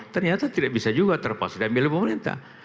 ternyata tidak bisa juga terpaksa diambil oleh pemerintah